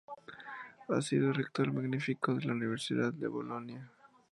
Ha sido Rector Magnífico de la Universidad de Bolonia.